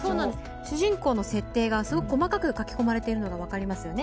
主人公の設定が、すごく細かく描き込まれているのが分かりますよね。